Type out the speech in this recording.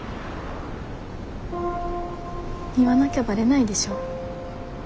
言わなきゃバレないでしょ。